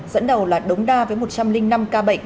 dẫn đầu là đống đa với một trăm linh năm ca bệnh